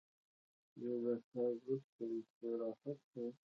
زه د کار وروسته استراحت کوم.